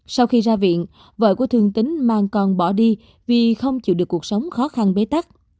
sau khi ra viện vợ của thường tính mang con bỏ đi vì không chịu được cuộc sống khó khăn bế tắc